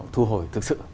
thu hồi thực sự